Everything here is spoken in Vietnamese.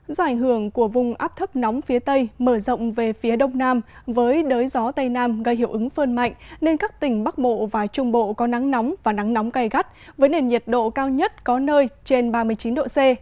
do ảnh hưởng của vùng áp thấp nóng phía tây mở rộng về phía đông nam với đới gió tây nam gây hiệu ứng phơn mạnh nên các tỉnh bắc bộ và trung bộ có nắng nóng và nắng nóng gai gắt với nền nhiệt độ cao nhất có nơi trên ba mươi chín độ c